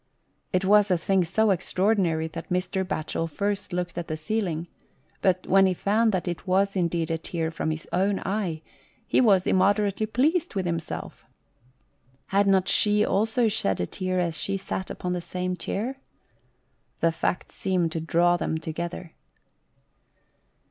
It was a thing so extraordinary that Mr. Batchel first looked at the ceiling, but when he found that it was indeed a tear from his own eye he was immoderately pleased with himself. Had not she also shed a tear as she sat upon the same chair? The fact seemed to draw them together.